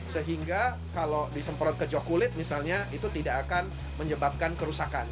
sehingga kalau disemprot ke jok kulit misalnya itu tidak akan menyebabkan kerusakan